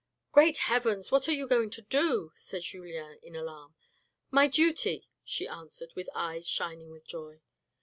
"Great heavens, what are you going to do?" said Julien in alarm. " My duty," she answered with eyes shining with joy.